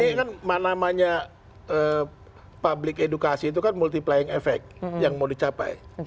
ini kan mana mana publik edukasi itu kan multiplying efek yang mau dicapai